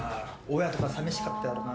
親とかさみしかったやろうな。